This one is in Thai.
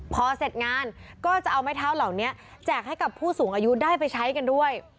พอเสร็จงานก็จะเอาไม้เท้าเหล่านี้แจกให้กับผู้สูงอายุได้ไปใช้กันด้วย